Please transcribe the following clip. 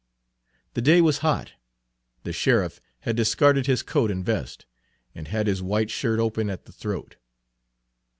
The day was hot; the sheriff had discarded his coat and vest, and had his white shirt open at the throat.